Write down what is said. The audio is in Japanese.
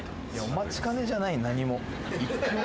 お待ちかねじゃない何も。